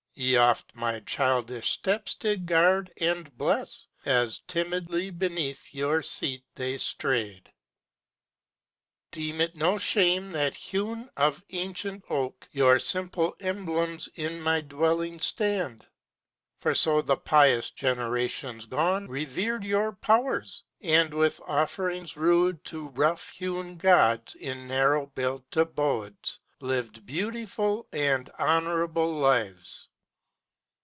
Ye oft my childish steps did guard and bless, As timidly beneath your seat they strayed. Deem it no shame that hewn of ancient oak Your simple emblems in my dwelling stand! For so the pious generations gone Revered your powers, and with offerings rude To rough hewn gods in narrow built abodes, Lived beautiful and honorable lives.